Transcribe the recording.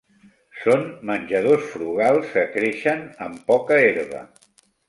Són menjadors frugals, que creixen amb poca herba.